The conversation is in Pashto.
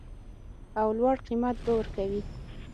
او لوړ قیمت به ورکوي